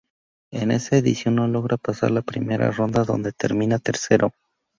En esa edición no logra pasar la primera ronda donde termina tercero.